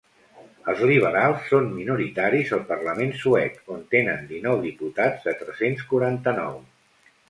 Els liberals són minoritaris al parlament suec, on tenen dinou diputats de tres-cents quaranta-nou.